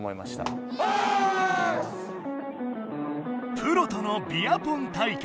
プロとのビアポン対決。